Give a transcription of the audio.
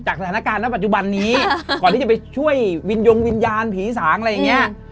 สถานการณ์ณปัจจุบันนี้ก่อนที่จะไปช่วยวินยงวิญญาณผีสางอะไรอย่างนี้